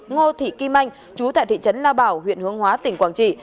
ngô thị kim anh trú tại thị trấn lao bảo huyện hương hóa tỉnh quảng trị